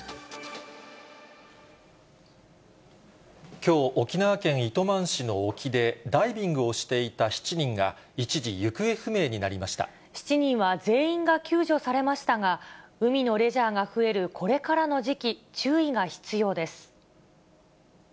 きょう、沖縄県糸満市の沖でダイビングをしていた７人が、一時行方不明に７人は全員が救助されましたが、海のレジャーが増えるこれからの時期、注意が必要です。